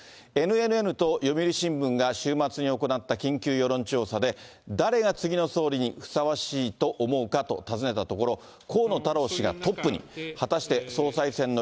ＮＮＮと読売新聞が週末に行った緊急世論調査で、誰が次の総理にふさわしいと思うかと尋ねたところ、こんにちは。